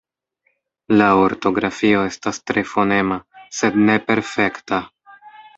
La ortografio estas tre fonema, sed ne perfekta.